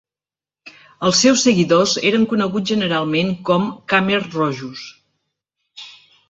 Els seus seguidors eren coneguts generalment com "Khmer Rojos".